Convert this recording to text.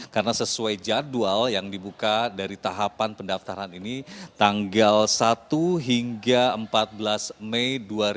karena sesuai jadwal yang dibuka dari tahapan pendaftaran ini tanggal satu hingga empat belas mei dua ribu dua puluh tiga